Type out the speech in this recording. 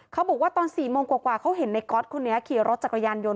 เขาบอกว่าตอน๔โมงกว่าเขาเห็นในก๊อตคนนี้ขี่รถจักรยานยนต